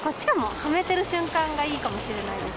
はめてる瞬間がいいかもしれないです。